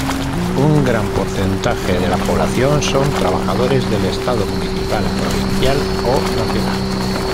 Un gran porcentaje de la población son trabajadores del estado municipal, provincial, o nacional.